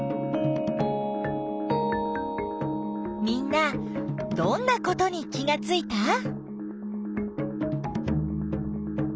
みんなどんなことに気がついた？